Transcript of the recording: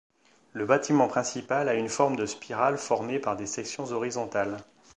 Le bâtiment principal a une forme de spirale formée par des sections horizontales.